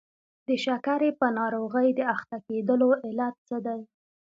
د شکرې په ناروغۍ د اخته کېدلو علت څه دی؟